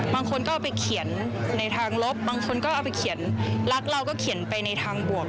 บางคนก็เอาไปเขียนในทางลบบางคนก็เอาไปเขียนรักเราก็เขียนไปในทางบวก